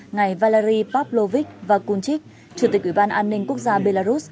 ngài valery pavlovich pakunchik chủ tịch ủy ban an ninh quốc gia belarus